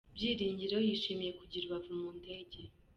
Byiringiro yishimiye kujya i Rubavu mu ndege.